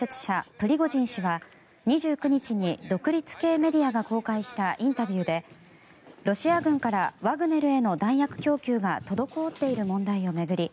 プリゴジン氏は２９日に独立系メディアが公開したインタビューでロシア軍からワグネルへの弾薬供給が滞っている問題を巡り